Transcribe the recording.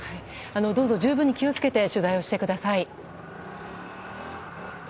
どうぞ十分に気を付けて取材をしてください。